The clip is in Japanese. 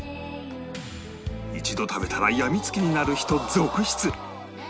一度食べたらやみつきになる人続出！